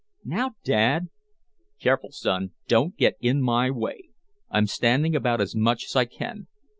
"Now, Dad " "Careful, son, don't get in my way. I'm standing about as much as I can.